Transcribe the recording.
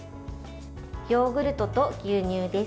ヨーグルトと牛乳です。